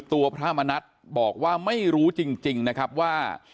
พระมณัฐบอกว่าไม่รู้จริงนะครับว่า